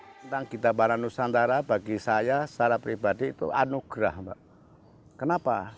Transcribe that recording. tentang kitab barang nusantara bagi saya secara pribadi itu anugerah kenapa